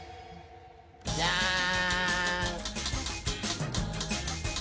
じゃーん！